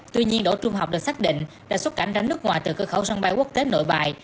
tuy nhiên đổ trung học được xác định là xuất cảnh ránh nước ngoài từ cơ khẩu sân bay quốc tế nội bài